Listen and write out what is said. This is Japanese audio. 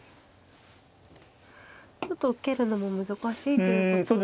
ちょっと受けるのも難しいということですか。